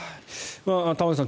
玉川さん